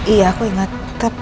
iya aku inget